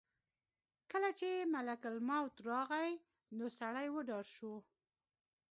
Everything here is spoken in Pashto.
کله چې ملک الموت راغی نو سړی وډار شو.